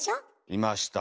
いました。